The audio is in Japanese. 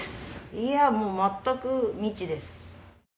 いやもう、全く未知です。